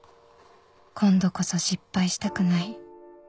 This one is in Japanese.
「今度こそ失敗したくない」